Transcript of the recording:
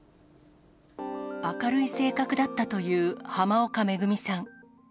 明るい性格だったという濱岡恵さん。